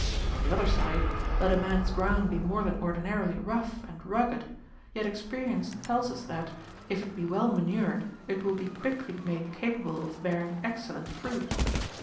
On the other side, let a man's ground be more than ordinarily rough and rugged ; yet experience tells us that, if it be well manured, it will be quickly made capable of bearing excellent fruit.